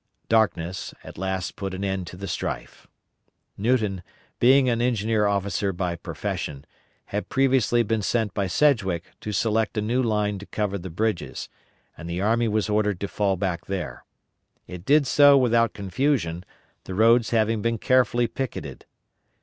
Darkness at last put an end to the strife. Newton, being an engineer officer by profession, had previously been sent by Sedgwick to select a new line to cover the bridges, and the army was ordered to fall back there. It did so without confusion, the roads having been carefully picketed.